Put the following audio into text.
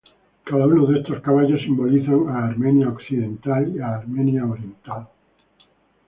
Cada uno de estos caballos simbolizan a Armenia Occidental y a Armenia Oriental.